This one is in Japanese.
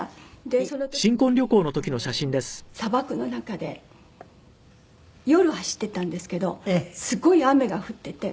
その時に砂漠の中で夜走ってたんですけどすごい雨が降ってて。